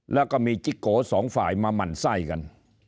แล้วก็มีจิ๊กโกสองฝ่ายมาหมั่นไส้กัน